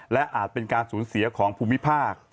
และอาจเป็นการสูญเสียของภูมิภาค